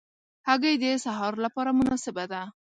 هګۍ د سهار له پاره مناسبه ده.